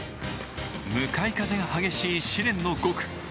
向かい風が激しい試練の５区。